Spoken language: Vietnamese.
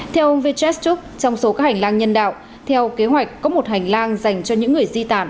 theo ông vichestreux trong số các hành lang nhân đạo theo kế hoạch có một hành lang dành cho những người di tản